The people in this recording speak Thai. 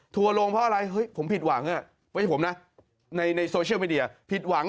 ถั่วลงเพราะอะไรเฮ้ยผมผิดหวัง